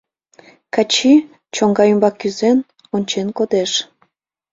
Качи, чоҥга ӱмбак кӱзен, ончен кодеш.